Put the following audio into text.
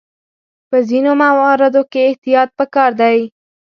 په ځینو مواردو کې احتیاط پکار دی.